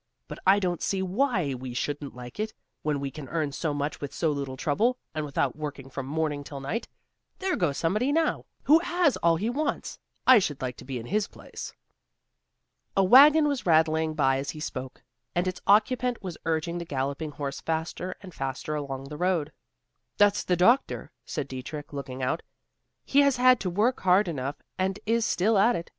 But I don't see why we shouldn't like it, when we can earn so much with so little trouble, and without working from morning till night. There goes somebody now, who has all he wants, I should like to be in his place!" A wagon was rattling by as he spoke, and its occupant was urging the galloping horse faster and faster along the road. "That's the doctor," said Dietrich, looking out; "he has had to work hard enough and is still at it.